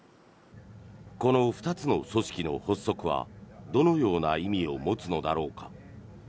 この２つの組織の発足はどのような意味を持つのだろうか。